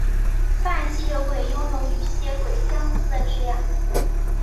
半吸血鬼拥有与吸血鬼相似的力量。